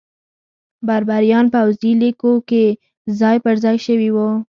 بربریان پوځي لیکو کې ځای پرځای شوي وو.